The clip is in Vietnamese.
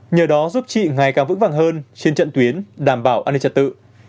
nhờ đó giúp chị ngày càng vững vàng hơn trên trận tuyến đảm bảo an ninh trật tự